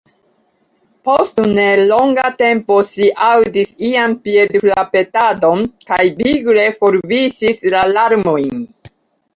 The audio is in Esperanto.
Post ne longa tempo ŝi aŭdis ian piedfrapetadon, kaj vigle forviŝis la larmojn.